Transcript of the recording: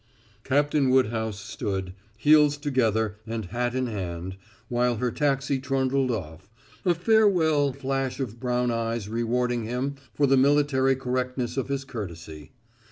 Captain Woodhouse stood, heels together and hat in hand, while her taxi trundled off, a farewell flash of brown eyes rewarding him for the military correctness of his courtesy.